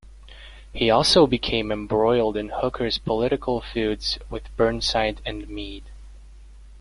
He also became embroiled in Hooker's political feuds with Burnside and Meade.